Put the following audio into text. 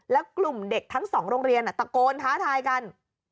แล้วกลุ่มเด็กทั้งสองโรงเรียนตะโกนท้าทายกัน